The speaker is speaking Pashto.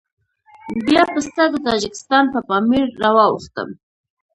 بيا پسته د تاجکستان په پامير راواوښتم.